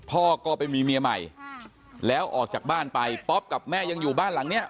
พ่อก็ไปมีเมียใหม่แล้วออกจากบ้านไปป๊อปกับแม่ยังอยู่บ้านหลังเนี้ย